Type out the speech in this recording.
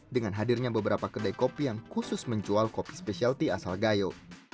dengan hadirnya beberapa kedai kopi yang khusus menjual kopi spesialty asal gayo